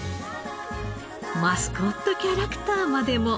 マスコットキャラクターまでも。